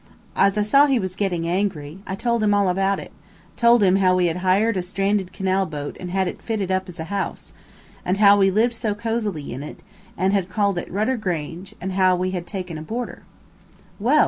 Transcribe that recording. As I saw he was getting angry, I told him all about it, told him how we had hired a stranded canal boat and had fitted it up as a house, and how we lived so cosily in it, and had called it "Rudder Grange," and how we had taken a boarder. "Well!"